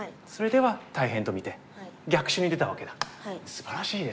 すばらしいですね。